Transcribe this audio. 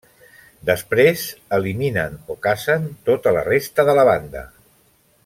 Després, eliminen o cacen tota la resta de la banda.